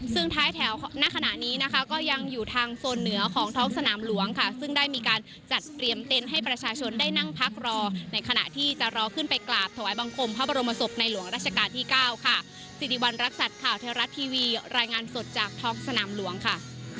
ซึ่งท้ายแถวณขณะนี้นะคะก็ยังอยู่ทางโซนเหนือของท้องสนามหลวงค่ะซึ่งได้มีการจัดเตรียมเต้นให้ประชาชนได้นั่งพักรอในขณะที่จะรอขึ้นไปกราบถวายบังคมพระบรมศพในหลวงราชการที่เก้าค่ะสิริวัณรักษัตริย์ข่าวเทวรัฐทีวีรายงานสดจากท้องสนามหลวงค่ะ